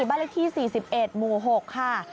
บ้านละที่๔๑งู๖ค่ะ